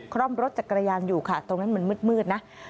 ร่อมรถจักรยานอยู่ค่ะตรงนั้นมันมืดนะ